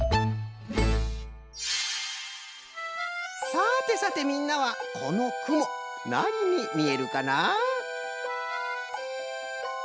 さてさてみんなはこのくもなににみえるかな？